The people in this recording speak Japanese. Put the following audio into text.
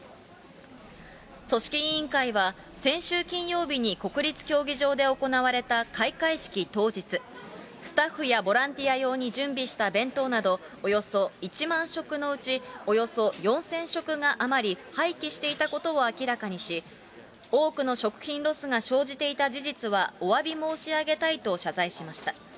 組織委員会は、先週金曜日に国立競技場で行われた開会式当日、スタッフやボランティア用に準備した弁当など、およそ１万食のうち、およそ４０００食が余り、廃棄していたことを明らかにし、多くの食品ロスが生じていた事実はおわび申し上げたいと謝罪しました。